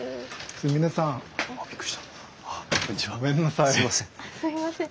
すいません。